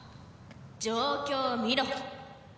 状況を見ろ。